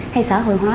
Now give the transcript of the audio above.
hay xã hội hóa